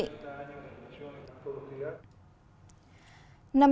nằm trong khu vực của trung quốc